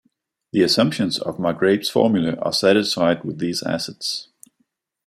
The assumptions of Margrabe's formula are satisfied with these assets.